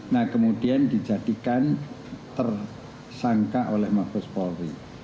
nah kemudian dijadikan tersangka oleh mabes polri